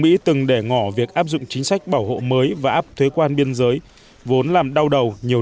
mỹ từng để ngỏ việc áp dụng chính sách bảo hộ mới và áp thuế quan biên giới vốn làm đau đầu nhiều